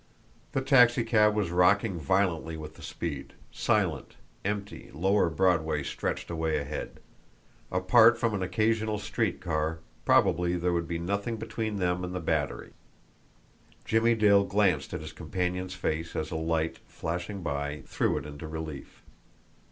The taxicab was rocking violently with the speed; silent, empty, Lower Broadway stretched away ahead. Apart from an occasional street car, probably there would be nothing between them and the Battery. Jimmie Dale glanced at his companion's face as a light, flashing by, threw it into relief.